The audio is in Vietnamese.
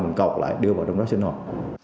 mình cột lại đưa vào trong đó sinh hồn